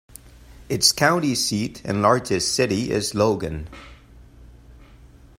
Its county seat and largest city is Logan.